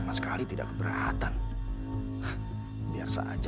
masih lanjut vnd masa